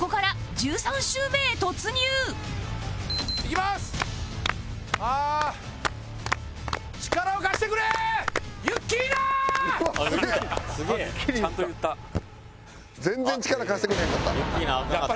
全然力貸してくれへんかった。